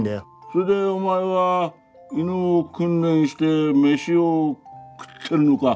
それでお前は犬を訓練して飯を食ってるのか。